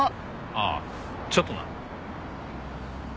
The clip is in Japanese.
ああちょっとな。